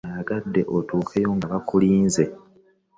Nayagadde otuukeyo nga bakulinze.